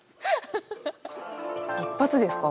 一発ですか？